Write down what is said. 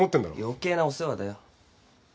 余計なお世話だよ。